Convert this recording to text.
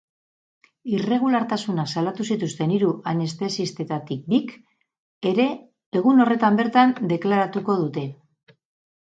Irregulartasunak salatu zituzten hiru anestesistetatik bik ere egun horretan bertan deklaratuko dute.